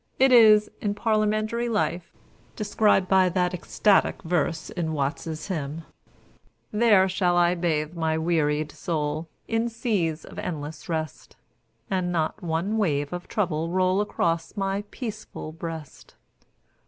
It is, in parliamentary life, described by that ecstatic verse in Watts' hymn "There shall I bathe my wearied soul In seas of endless rest. And not one wave of trouble roll Across my peaceful breast.